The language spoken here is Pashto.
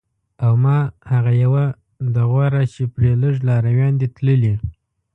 او ما هغه یوه ده غوره چې پرې لږ لارویان دي تللي